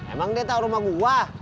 emang dia tau rumah gua